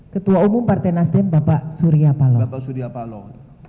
ketua umum partai nasdem bapak surya paloh